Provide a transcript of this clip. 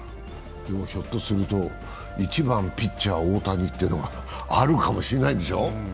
ひょっとすると１番・ピッチャー・大谷ってのがあるかもしれないでしょ。